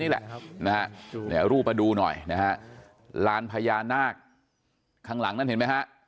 เดี๋ยวรูปมาดูหน่อยนะฮะลานพญานาคข้างหลังนั้นเห็นไหมฮะ